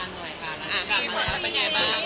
กลับมาก็เป็นไงบ้าง